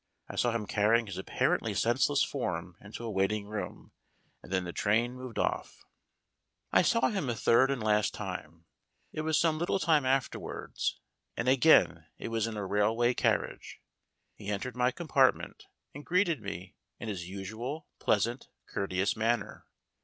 I saw them carrying his apparently senseless form into a waiting room, and then the train moved off. THE BLANKING BUSINESS 199 I saw him a third and last time. It was some little time afterwards, and again it was in a railway car riage. He entered my compartment and greeted me in his usual pleasant, courteous manner.